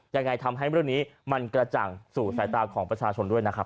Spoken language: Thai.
ยังไงทำให้เรื่องนี้มันกระจ่างสู่สายตาของประชาชนด้วยนะครับ